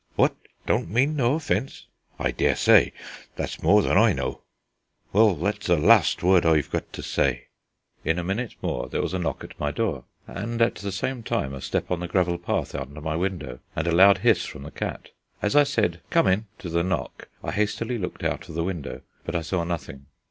What? Don't mean no offence? I dare say. That's more than I know. Well, that's the last word I've got to say." In a minute more there was a knock at my door, and at the same time a step on the gravel path under my window, and a loud hiss from the cat. As I said "Come in" to the knock, I hastily looked out of the window, but saw nothing.